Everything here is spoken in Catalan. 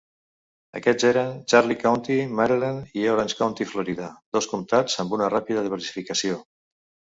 Aquests eren Charles County, Maryland; i Orange County Florida, dos comtats amb una ràpida diversificació.